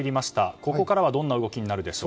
ここからはどんな動きになるんでしょうか。